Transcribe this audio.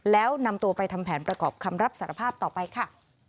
แล้วนำตัวไปทำแผนประกอบคำรับสารภาพต่อไปค่ะ